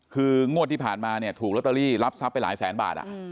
คืองวดที่ผ่านมาเนี่ยถูกลอตเตอรี่รับทรัพย์ไปหลายแสนบาท